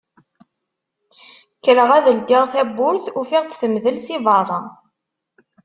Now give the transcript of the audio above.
Kkreɣ ad ldiɣ tawwurt ufiɣ-tt temdel si berra.